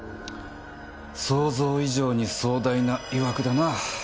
想像以上に壮大ないわくだな。